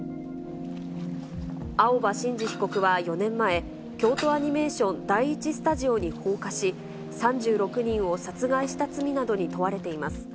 青葉真司被告は４年前、京都アニメーション第１スタジオに放火し、３６人を殺害した罪などに問われています。